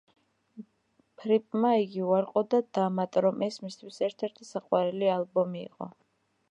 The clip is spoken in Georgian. ფრიპმა იგი უარყო და დაამატა, რომ ეს მისთვის ერთ-ერთი საყვარელი ალბომი იყო.